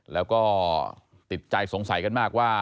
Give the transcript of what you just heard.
แล้วก็ติดใจสงสัยกันมากว่า